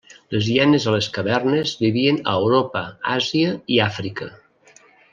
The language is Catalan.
Les hienes de les cavernes vivien a Europa, Àsia i Àfrica.